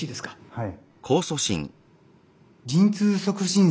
はい。